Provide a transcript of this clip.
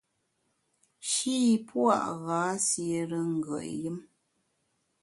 Shî pua’ gha siére ngùet yùm.